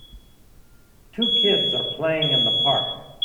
Two kids are playing in the park.